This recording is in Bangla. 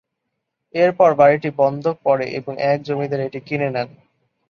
এরপর বাড়িটি বন্ধক পড়ে এবং এক জমিদার এটি কিনে নেন।